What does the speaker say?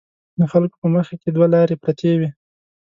د خلکو په مخکې دوه لارې پرتې وي.